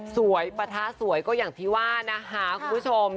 ปะทะสวยก็อย่างที่ว่านะคะคุณผู้ชม